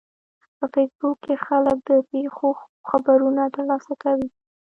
په فېسبوک کې خلک د پیښو خبرونه ترلاسه کوي